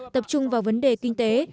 tập trung vào vấn đề kinh tế